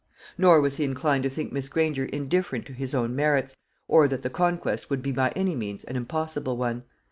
Nor was he inclined to think Miss Granger indifferent to his own merits, or that the conquest would be by any means an impossible one.